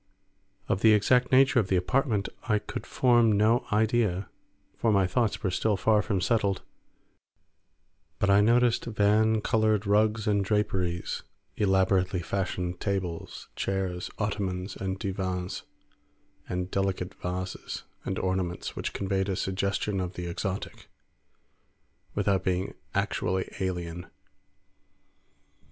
Of the exact nature of the apartment I could form no idea, for my thoughts were still far from settled, but I noticed van coloured rugs and draperies, elaborately fashioned tables, chairs, ottomans, and divans, and delicate vases and ornaments which conveyed a suggestion of the exotic without being actually alien.